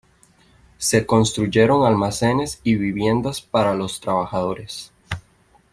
Se construyeron almacenes y viviendas para los trabajadores.